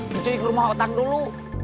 mencuri ke rumah otang dulu